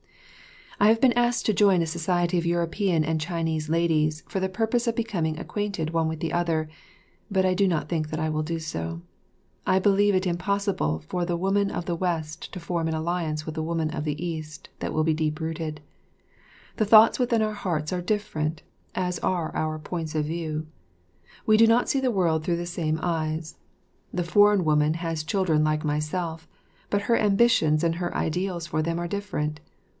I have been asked to join a society of European and Chinese ladies for the purpose of becoming acquainted one with the other, but I do not think that I will do so. I believe it impossible for the woman of the West to form an alliance with the woman of the East that will be deep rooted. The thoughts within our hearts are different, as are our points of view. We do not see the world through the same eyes. The foreign woman has children like myself, but her ambitions and her ideals for them are different.